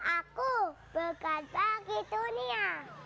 aku berkat bagi dunia